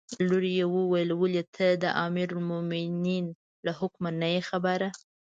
لور یې وویل: ولې ته د امیرالمؤمنین له حکمه نه یې خبره.